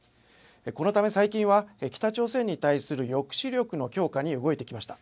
このため最近は北朝鮮に対する抑止力の強化に動いてきました。